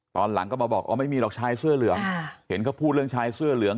ตอนหลังก็มาบอกอ๋อไม่มีหรอกชายเสื้อเหลืองเห็นเขาพูดเรื่องชายเสื้อเหลือง